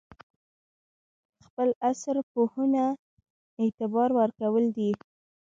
خپل عصر پوهنو اعتبار ورکول دي.